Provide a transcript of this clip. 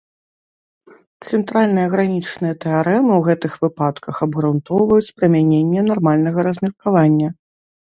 Цэнтральныя гранічныя тэарэмы ў гэтых выпадках абгрунтоўваюць прымяненне нармальнага размеркавання.